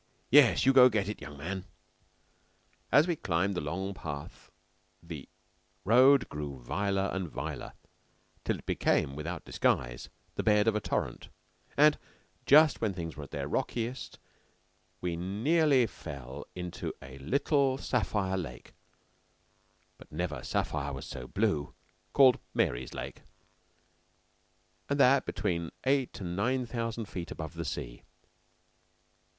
Yes, you go get it, young man." As we climbed the long path the road grew viler and viler till it became, without disguise, the bed of a torrent; and just when things were at their rockiest we nearly fell into a little sapphire lake but never sapphire was so blue called Mary's Lake; and that between eight and nine thousand feet above the sea.